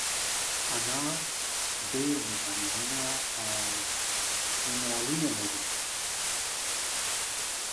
انار ډېر ویټامینونه او منرالونه لري.